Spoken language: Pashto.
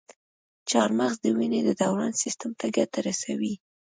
چارمغز د وینې د دوران سیستم ته ګټه رسوي.